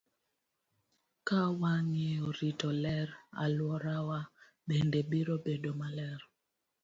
Ka wang'eyo rito ler, alworawa bende biro bedo maler.